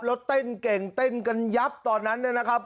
แล้วเต้นเก่งเต้นกันยับตอนนั้นเนี่ยนะครับ